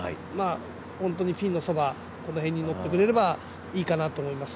本当にピンのそば、この辺にのってくれればいいかなと思います。